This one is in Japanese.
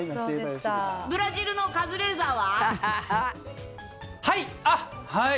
ブラジルのカズレーザーは？